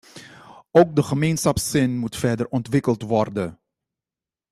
Ook de gemeenschapszin moet verder ontwikkeld worden.